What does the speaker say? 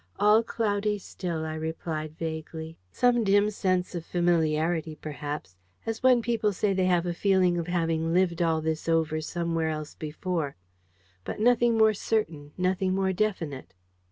"All cloudy still," I replied, vaguely. "Some dim sense of familiarity, perhaps, as when people say they have a feeling of having lived all this over somewhere else before, but nothing more certain, nothing more definite."